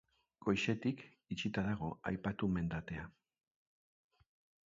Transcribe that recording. Goizetik, itxita dago aipatu mendatea.